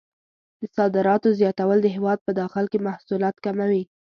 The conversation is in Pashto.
د صادراتو زیاتول د هېواد په داخل کې محصولات کموي.